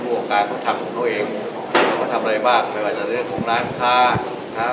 ก็ขอบคุณนะครับที่พามาก็จะให้โครงสรุปประภาษาบาลให้พี่แจงขอบคุณไปแล้ว